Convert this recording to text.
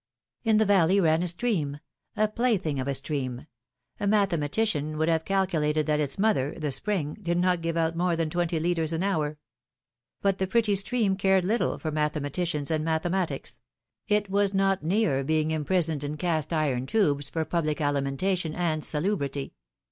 In the valley ran a stream — a plaything of a stream ; a mathematician would have calculated that its mother — the spring — did not give out more than twenty litres an hour. But the pretty stream cared little for mathematicians and mathematics; it was not near being imprisoned in cast iron tubes for public alimentation and salubrity.